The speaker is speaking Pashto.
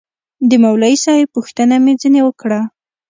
د مولوي صاحب پوښتنه مې ځنې وكړه.